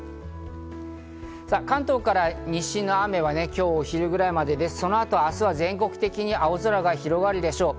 関東から西の雨は今日お昼ぐらいまでで、そのあと明日は全国的に青空が広がるでしょう。